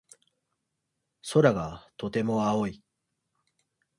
空がとても青い。